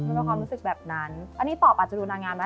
มันมีความรู้สึกแบบนั้นอันนี้ตอบอาจจะดูนางงามนะ